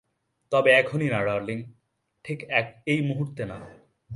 তবে এখনই না ডার্লিং, ঠিক এই মুহুর্তে না।